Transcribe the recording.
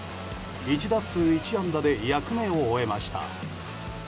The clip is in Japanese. １打数１安打で役目を終えました。